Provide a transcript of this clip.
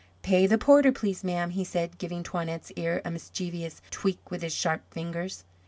"Pay the porter, please, ma'am," he said giving Toinette's ear a mischievous tweak with his sharp fingers.